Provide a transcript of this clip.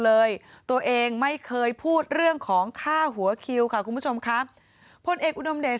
เลยตัวเองไม่เคยพูดเรื่องของค่าหัวคิวค่ะคุณผู้ชมครับพลเอกอุดมเดช